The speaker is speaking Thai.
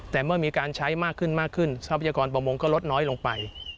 แต่เมื่อมีการใช้มากขึ้นมากขึ้นทรัพยากรประมงก็ลดน้อยลงไป